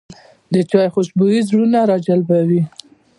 د چای خوشبويي زړونه راجلبوي